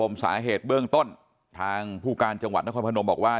สาเหตุเบื้องต้นทางผู้การจังหวัดนครพนมบอกว่า